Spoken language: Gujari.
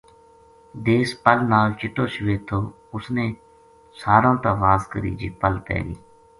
دیس پل نال چِٹو شوید تھو اس نے ساراں تا واز کری جے پل پے گئی